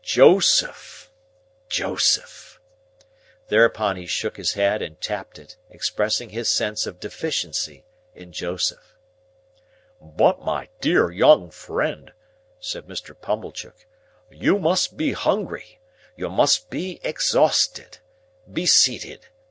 "Joseph!! Joseph!!!" Thereupon he shook his head and tapped it, expressing his sense of deficiency in Joseph. "But my dear young friend," said Mr. Pumblechook, "you must be hungry, you must be exhausted. Be seated.